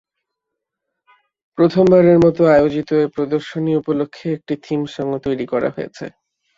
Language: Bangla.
প্রথমবারের মতো আয়োজিত এ প্রদর্শনী উপলক্ষে একটি থিম সংও তৈরি করা হয়েছে।